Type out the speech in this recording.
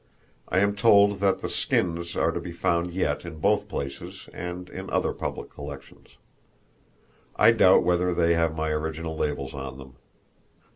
I am told that the skins are to be found yet in both places and in other public collections. I doubt whether they have my original labels on them.